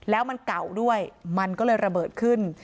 แล้วมันเก่าด้วยมันก็เลยระเบิดขึ้น